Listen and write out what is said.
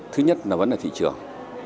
thứ nhất là vẫn là thị trường